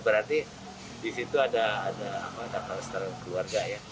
berarti di situ ada kluster keluarga